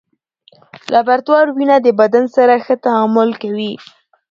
لابراتوار وینه د بدن سره ښه تعامل کوي.